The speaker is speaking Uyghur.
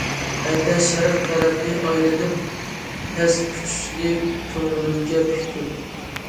ئەتە شەرق تەرەپنى ئايلىنىپ پەس ئۇچۇشنى كۆڭلۈمگە پۈكتۈم.